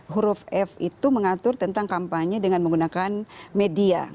huruf f itu mengatur tentang kampanye dengan menggunakan media